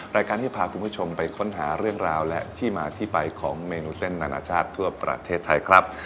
รายการที่พาคุณผู้ชมไปค้นหาเรื่องราวและที่มาที่ไปของเมนูเส้นนานาชาติทั่วประเทศไทยครับ